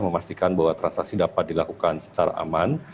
memastikan bahwa transaksi dapat dilakukan secara aman